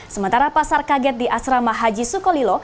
sementara pasar kaget di asrama haji sukolilo